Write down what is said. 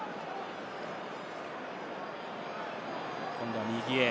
今度は右へ。